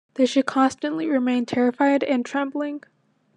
They should constantly remain terrified and trembling.